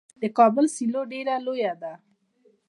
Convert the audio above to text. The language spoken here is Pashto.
د کابل سیلو ډیره لویه ده.